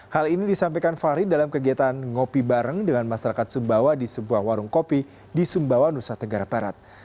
hal ini disampaikan fahri dalam kegiatan ngopi bareng dengan masyarakat sumbawa di sebuah warung kopi di sumbawa nusa tenggara barat